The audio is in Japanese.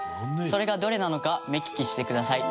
それがどれなのか目利きしてください。